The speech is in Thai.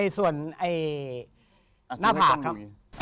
ส่วนนาภาคครับ